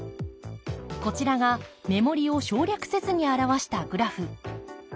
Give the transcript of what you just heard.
こちらが目盛りを省略せずに表したグラフ。